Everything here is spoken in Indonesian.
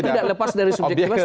saya tidak lepas dari subjektivitas